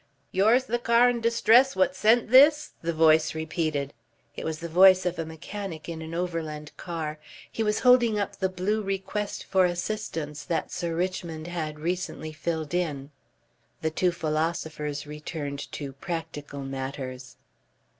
"Yours the car in distress what sent this?" the voice repeated. It was the voice of a mechanic in an Overland car. He was holding up the blue request for assistance that Sir Richmond had recently filled in. The two philosophers returned to practical matters.